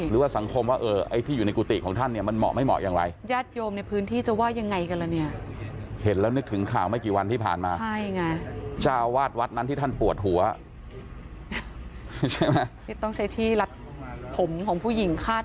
หรือว่าสังคมว่าไอ้ที่อยู่ในกุฏิของท่านเนี่ย